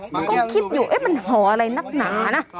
มันก็คิดอยู่เอ๊ะมันห่ออะไรนักหนานะ